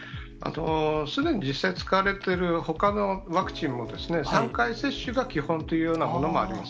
すでに実際使われているほかのワクチンも、３回接種が基本というようなものもあります。